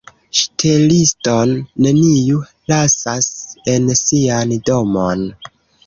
Ŝteliston neniu lasas en sian domon.